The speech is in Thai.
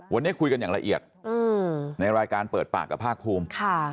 วันนี้คุยกันอย่างละเอียดในรายการเปิดปากกับภาคภูมิ